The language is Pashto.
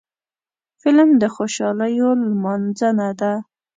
فلم د خوشحالیو لمانځنه ده